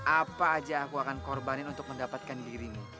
apa aja aku akan korbanin untuk mendapatkan dirimu